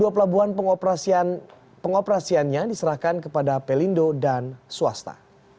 dua pelabuhan pengoperasiannya diserahkan kepada pelindo dan swasta